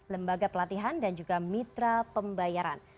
lembaga pelatihan dan juga mitra pembayaran